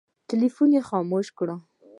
ټلفونونه یې خاموش کړل.